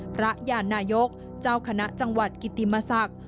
พระยานายกเจ้าคณะจังหวัดกิติมศักดิ์